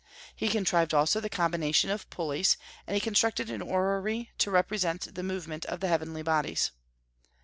He contrived also the combination of pulleys, and he constructed an orrery to represent the movement of the heavenly bodies.